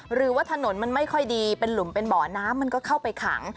หรือว่าถนนมันไม่ค่อยดีเป็นหลุมเป็นบ่อน้ำมันก็เข้าไปขัง